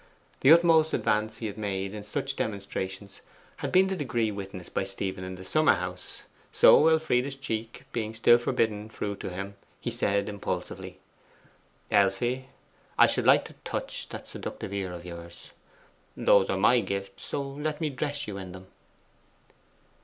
The utmost advance he had made in such demonstrations had been to the degree witnessed by Stephen in the summer house. So Elfride's cheek being still forbidden fruit to him, he said impulsively. 'Elfie, I should like to touch that seductive ear of yours. Those are my gifts; so let me dress you in them.